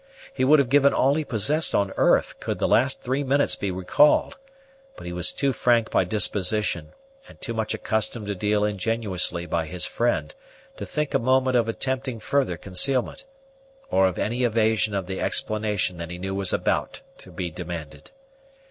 He would have given all he possessed on earth could the last three minutes be recalled; but he was too frank by disposition and too much accustomed to deal ingenuously by his friend to think a moment of attempting further concealment, or of any evasion of the explanation that he knew was about to be demanded.